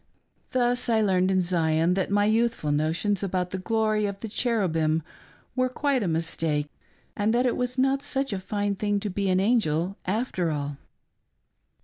Thus I learned in Zion that my youthful notions about the glory of the cherubim were quite a mistake, and that it was not isuch a fine thing to be an angel, after all.